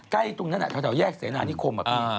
ใกล้ตรงนั้นแถวแยกเสนานิคม